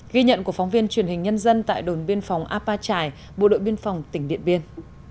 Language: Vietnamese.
ghi nhận của phóng viên truyền hình nhân dân tại đồn biên phòng apa trải bộ đội biên phòng tỉnh điện biên